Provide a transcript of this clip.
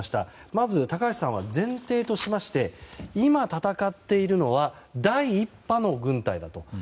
まず高橋さんは前提としまして今、戦っているのは第１波の軍隊だと。